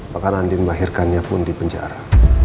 bahkan andin bahirkannya pun di penjara